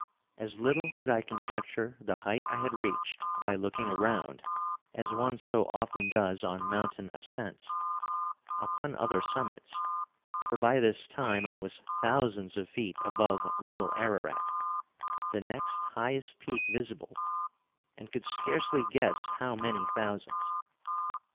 As little could I conjecture the height I had reached by looking around, as one so often does on mountain ascents, upon other summits; for by this time I was thousands of feet above Little Ararat, the next highest peak visible, and could scarcely guess how many thousands.